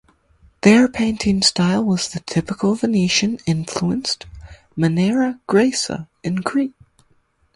There painting style was the typical Venetian influenced maniera greca in Crete.